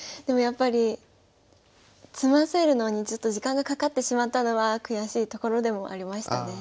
でもやっぱり詰ませるのにちょっと時間がかかってしまったのは悔しいところでもありましたね。